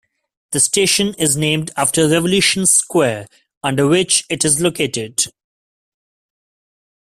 The station is named after Revolution Square, under which it is located.